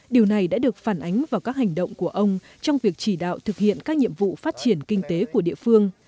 điều này đã được phản ánh vào các hành động của ông trong việc chỉ đạo thực hiện các nhiệm vụ phát triển kinh tế của địa phương